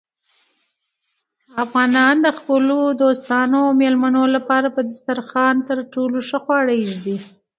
افغانان د خپلو دوستانو او مېلمنو لپاره په دسترخوان تر ټولو ښه خواړه ایږدي.